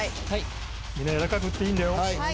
みんなやわらかく打っていいんだよ。